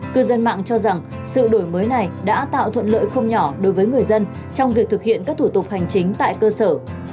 cư dân mạng cho rằng sự đổi mới này đã tạo thuận lợi không nhỏ đối với người dân trong việc thực hiện các thủ tục hành chính tại cơ sở